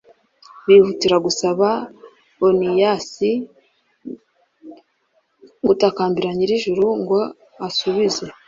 bihutira gusaba oniyasi gutakambira nyir'ijuru, ngo asubize